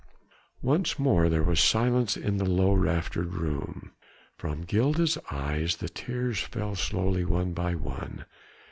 Once more there was silence in the low raftered room. From Gilda's eyes the tears fell slowly one by one.